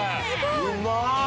うまい！